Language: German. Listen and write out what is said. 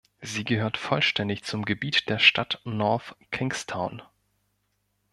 Sie gehört vollständig zum Gebiet der Stadt North Kingstown.